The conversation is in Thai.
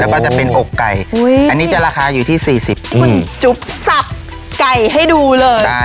แล้วก็จะเป็นอกไก่อุ้ยอันนี้จะราคาอยู่ที่สี่สิบอืมจุ๊บสับไก่ให้ดูเลยได้